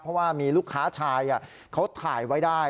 เพราะว่ามีลูกค้าชายเขาถ่ายไว้ได้